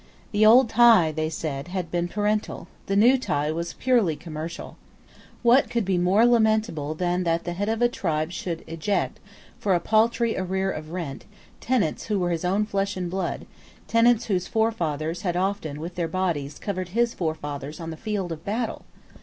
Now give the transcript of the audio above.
The old tie, they said, had been parental: the new tie was purely commercial. What could be more lamentable than that the head of a tribe should eject, for a paltry arrear of rent, tenants who were his own flesh and blood, tenants whose forefathers had often with their bodies covered his forefathers on the field of battle?